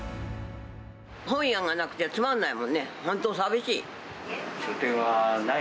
本屋がなくてつまんないもんね、本当、寂しい。